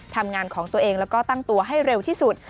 ทำงานของตัวเองแล้วก็ตั้งตัวให้เร็วที่สุด